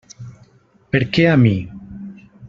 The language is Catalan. Per què a mi?